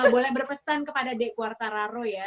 boleh berpesan kepada dek quartararo ya